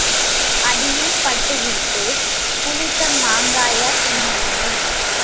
அடியும் பட்டுவிட்டுப் புளித்த மாங்காயா தின்னவேண்டும்?